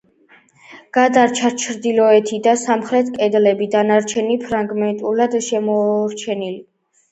გადარჩა ჩრდილოეთი და სამხრეთი კედლები, დანარჩენი ფრაგმენტულადაა შემორჩენილი.